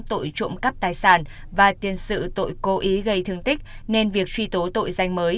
tội trộm cắp tài sản và tiền sự tội cố ý gây thương tích nên việc truy tố tội danh mới